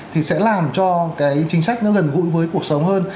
thì sẽ làm cho cái chính sách nó gần gũi với cuộc sống hơn